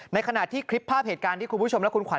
ในขณะที่คลิปภาพเหตุการณ์ที่คุณผู้ชมและคุณขวั